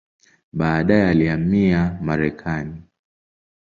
Baadaye alihamia Marekani.